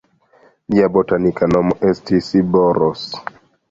Lia botanika nomo estis "Boros".